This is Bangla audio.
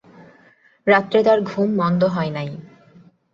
রাত্রে তার ঘুম মন্দ হয় নাই।